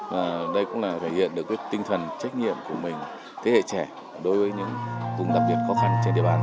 và đây cũng là thể hiện được cái tinh thần trách nhiệm của mình thế hệ trẻ đối với những vùng đặc biệt khó khăn trên địa bàn